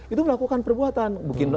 itu melakukan perbuatan